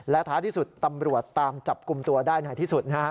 ท้ายที่สุดตำรวจตามจับกลุ่มตัวได้ในที่สุดนะฮะ